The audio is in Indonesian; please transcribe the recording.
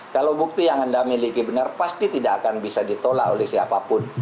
kalau bukti yang anda miliki benar pasti tidak akan bisa ditolak oleh siapapun